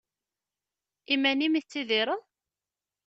Iman-im i tettidireḍ?